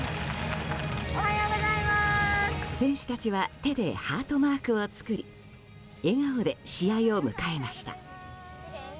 選手たちは手でハートマークを作り笑顔で試合を迎えました。